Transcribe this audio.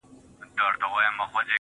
خوار زما د حرکت په هر جنجال کي سته_